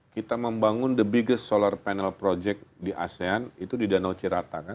kita membangun the biggest solar panel project di asean itu di danau cirata kan